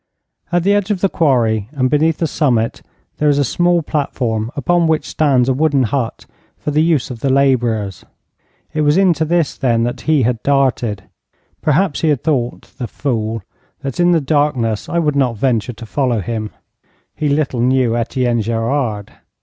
At the edge of the quarry and beneath the summit there is a small platform upon which stands a wooden hut for the use of the labourers. It was into this, then, that he had darted. Perhaps he had thought, the fool, that, in the darkness, I would not venture to follow him. He little knew Etienne Gerard.